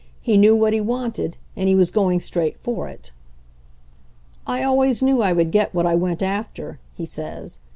He knew what he wanted, and he was going straight for it. , "I always knew I would get what I went | after," he says.